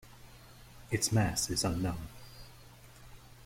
Its mass is unknown.